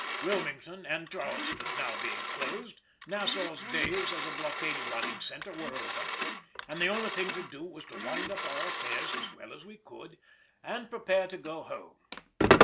Wilmington and Charleston being now closed, Nassau's days as a blockade running centre were over, and the only thing to do was to wind up our affairs as well as we could, and prepare to go home.